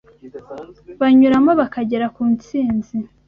banyuramo bakagera ku ntsinzi